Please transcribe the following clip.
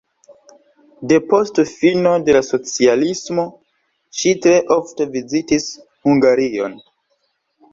Depost fino de la socialismo ŝi tre ofte vizitis Hungarion.